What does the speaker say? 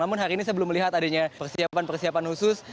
namun hari ini saya belum melihat adanya persiapan persiapan khusus